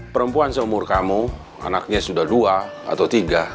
perempuan seumur kamu anaknya sudah dua atau tiga